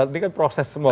ini kan proses semua